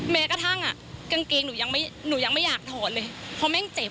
แม้กระทั่งกางเกงหนูยังไม่อยากถอนเลยเพราะแม่งเจ็บ